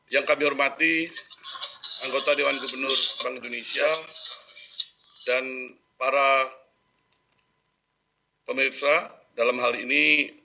yang kami hormati anggota dewan gubernur bank indonesia dan para pemirsa dalam hal ini